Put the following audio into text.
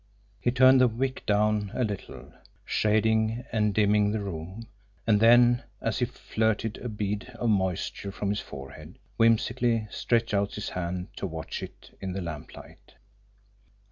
He turned the wick down a little, shading and dimming the room and then, as he flirted a bead of moisture from his forehead, whimsically stretched out his hand to watch it in the lamplight.